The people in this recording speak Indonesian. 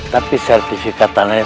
tapi sertifikat tanahnya